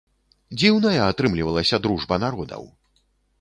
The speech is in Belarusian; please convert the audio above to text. Дзіўная атрымлівалася дружба народаў!